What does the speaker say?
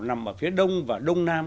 nằm ở phía đông và đông nam